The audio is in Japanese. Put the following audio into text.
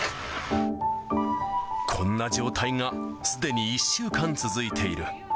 こんな状態がすでに１週間続いている。